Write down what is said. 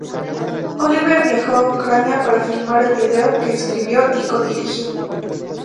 Oliver viajó a Ucrania para filmar el video, que escribió y codirigió.